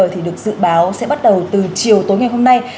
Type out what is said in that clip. thì được dự báo sẽ bắt đầu từ chiều tối ngày hôm nay